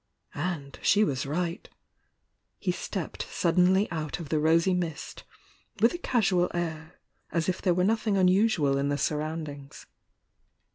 And she was right. He stepped suddenly out of the rosy mist with a casual air, as if there were nothing unusual in the surroundings.